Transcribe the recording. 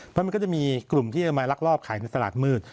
เพราะมันก็จะมีกลุ่มที่จะมาลักลอบขายในตลาดมืด